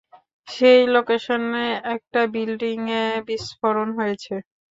সেই লোকেশনে একটা বিল্ডিংয়ে বিস্ফোরণ হয়েছে।